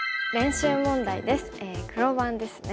黒番ですね。